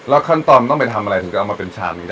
ขั้นตอนต้องไปทำอะไรถึงจะเอามาเป็นชามนี้ได้